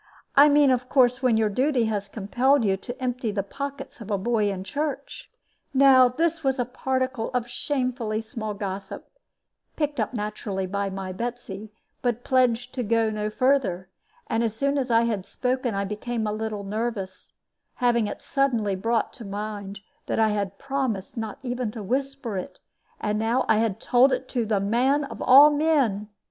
I mean, of course, when your duty has compelled you to empty the pockets of a boy in church." Now this was a particle of shamefully small gossip, picked up naturally by my Betsy, but pledged to go no further; and as soon as I had spoken I became a little nervous, having it suddenly brought to my mind that I had promised not even to whisper it; and now I had told it to the man of all men!